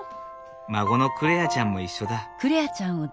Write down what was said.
孫の來愛ちゃんも一緒だ。